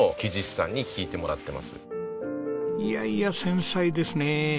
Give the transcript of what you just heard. いやいや繊細ですね。